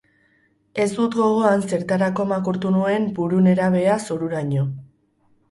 Ez dut gogoan zertarako makurtu nuen buru nerabea zoruraino.